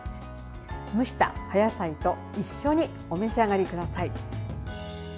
蒸したお野菜と一緒にお召し上がりください。